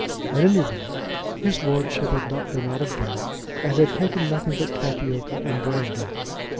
At any rate his lordship had not been out of bed and had taken nothing but tapioca and brandy.